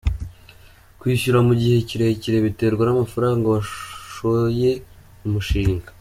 Kwishyura mu gihe kirekire biterwa n’amafaranga washoye mu mushinga”.